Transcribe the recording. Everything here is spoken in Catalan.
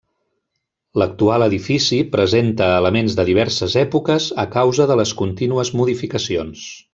L'actual edifici presenta elements de diverses èpoques a causa de les contínues modificacions.